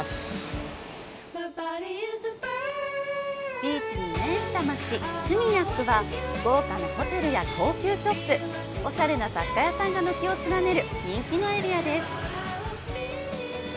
ビーチに面した街・スミニャックは豪華なホテルや高級ショップ、おしゃれな雑貨屋さんが軒を連ねる人気のエリアです。